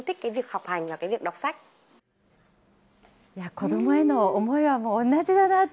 子どもへの思いは同じだなと、